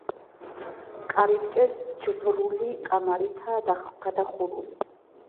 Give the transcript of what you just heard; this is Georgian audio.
კარიბჭე ჯვრული კამარითაა გადახურული.